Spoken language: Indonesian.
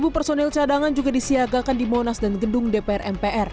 dua puluh personil cadangan juga disiagakan di monas dan gedung dpr mpr